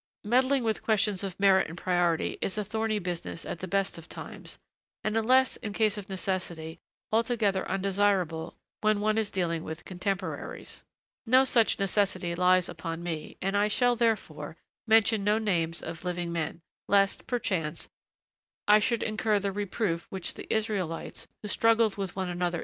Meddling with questions of merit and priority is a thorny business at the best of times, and unless in case of necessity, altogether undesirable when one is dealing with contemporaries. No such necessity lies upon me, and I shall, therefore, mention no names of living men, lest, perchance, I should incur the reproof which the Israelites, who struggled with one another in the field, addressed to Moses 'Who made thee a prince and a judge over us.'